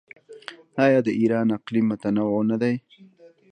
آیا د ایران اقلیم متنوع نه دی؟